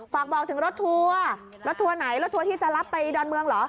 ฝากบอกถึงรถทัวร์รถทัวร์ไหนรถทัวร์ที่จะรับไปดอนเมืองเหรอ